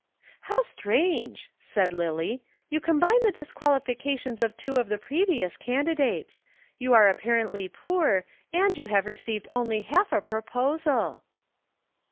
"How strange!" said Lillie. "You combine the disqualifications of two of the previous candidates. You are apparently poor and you have received only half a proposal."